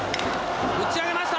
打ち上げました！